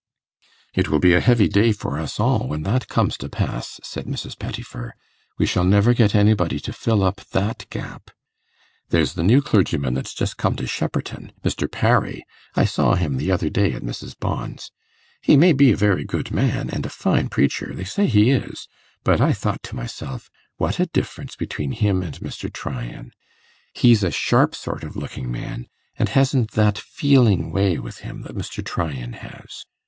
'It will be a heavy day for us all when that comes to pass,' said Mrs. Pettifer. 'We shall never get anybody to fill up that gap. There's the new clergyman that's just come to Shepperton Mr. Parry; I saw him the other day at Mrs. Bond's. He may be a very good man, and a fine preacher; they say he is; but I thought to myself, What a difference between him and Mr. Tryan! He's a sharp sort of looking man, and hasn't that feeling way with him that Mr. Tryan has.